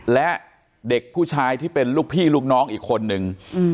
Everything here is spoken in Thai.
และเด็กผู้ชายที่เป็นลูกพี่ลูกน้องอีกคนนึง